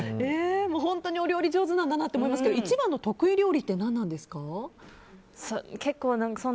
本当にお料理上手なんだなと思いますけど一番の得意料理って何なんですか？